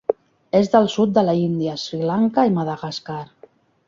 És del sud de la India, Sri Lanka i Madagascar.